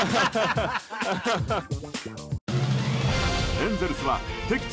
エンゼルスは敵地